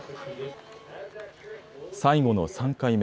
最後の３回目。